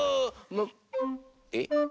えっ？